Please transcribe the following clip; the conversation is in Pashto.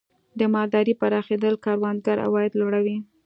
د مالدارۍ پراخېدل د کروندګر عواید لوړوي.